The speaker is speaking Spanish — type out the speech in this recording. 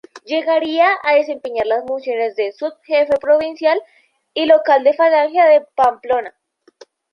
Llegaría a desempeñar las funciones de subjefe provincial y local de Falange en Pamplona.